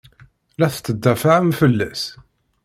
La tettdafaɛem fell-as?